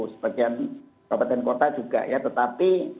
sebagian kabupaten kota juga ya tetapi